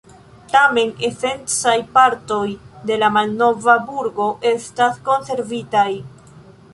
Tamen esencaj partoj de la malnova burgo estas konservitaj.